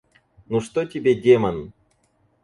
Ну что тебе Демон?